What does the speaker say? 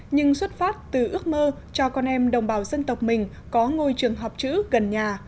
nhưng xuất phát từ ước mơ cho con em đồng bào dân tộc mình có ngôi trường học chữ gần nhà